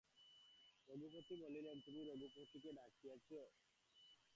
রঘুপতি বলিলেন, তুমি রঘুপতিকে ডাকিয়াছ।